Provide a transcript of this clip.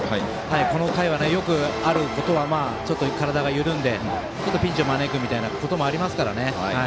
この回は、よくあることは体が緩んでピンチを招くみたいなこともありますから。